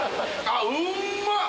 あっうまっ！